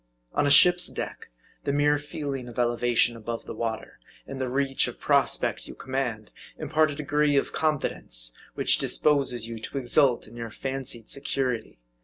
On a ship's deck, the mere feeling of elevation above the water, and the reach of prospect you command, impart a degree of confidence which disposes you to exult in your fan cied security.